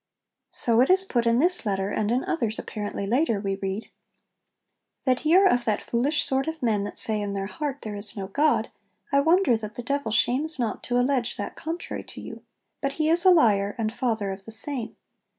So it is put in this letter; and in others, apparently later, we read 'That ye are of that foolish sort of men that say in their heart, "There is no God," I wonder that the Devil shames not to allege that contrary [to] you; but he is a liar, and father of the same.